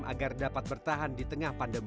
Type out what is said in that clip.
agar dapat bertahan di tengah pandemi